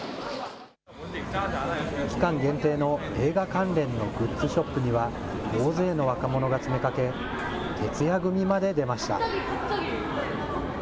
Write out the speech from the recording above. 期間限定の映画関連のグッズショップには、大勢の若者が詰めかけ、徹夜組まで出ました。